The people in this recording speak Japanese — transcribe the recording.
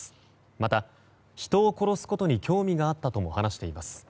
また、人を殺すことに興味があったとも話しています。